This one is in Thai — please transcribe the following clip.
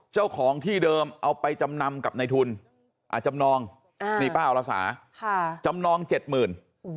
เจ้าของที่เดิมเอาไปจำนำกับในทุนจำนองนี่ป้าอรสาจำนองเจ็ดหมื่น